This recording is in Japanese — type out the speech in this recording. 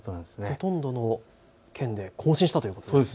ほとんどの県で更新したということですね。